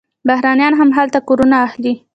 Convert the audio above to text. بهرنیان هم هلته کورونه اخلي.